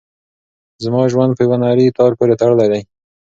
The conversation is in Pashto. زما ژوند په یوه نري تار پورې تړلی دی.